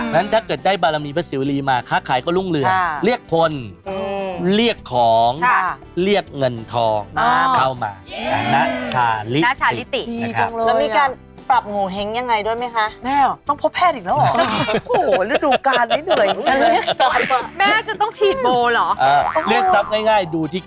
นะชาลิติอยู่ในหัวใจเรา